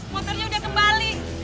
motornya udah kembali